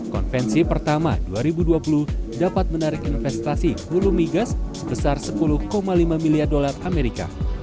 konvensi pertama dua ribu dua puluh dapat menarik investasi hulu migas sebesar sepuluh lima miliar dolar amerika